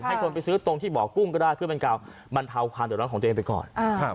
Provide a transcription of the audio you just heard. ให้คนไปซื้อตรงที่บ่อกุ้งก็ได้เพื่อเป็นการบรรเทาความเดือดร้อนของตัวเองไปก่อน